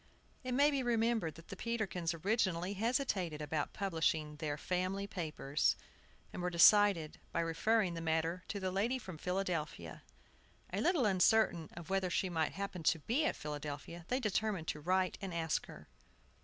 It may be remembered that the Peterkins originally hesitated about publishing their Family Papers, and were decided by referring the matter to the lady from Philadelphia. A little uncertain of whether she might happen to be at Philadelphia, they determined to write and ask her.